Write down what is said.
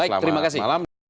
baik terima kasih